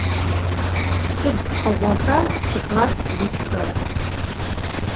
Sıd pkhığoxa tiklass yitxer?